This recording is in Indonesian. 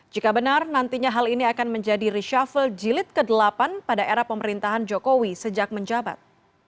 jika benar nantinya hal ini akan menjadi reshuffle jilid ke delapan pada era pemerintahan jokowi sejak menjabat